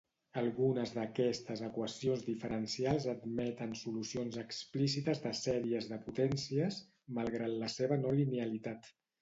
Algunes d'aquestes equacions diferencials admeten solucions explícites de sèries de potències, malgrat la seva no linealitat.